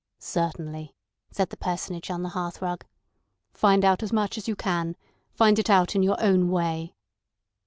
"Certainly," said the Personage on the hearthrug. "Find out as much as you can; find it out in your own way."